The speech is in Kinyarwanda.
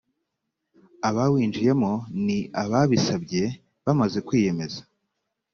abawinjiyemo ni ababisabye bamaze kwiyemeza